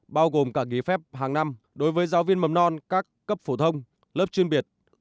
bao gồm cả ký phép hàng năm đối với giáo viên mầm non các cấp phổ thông lớp chuyên biệt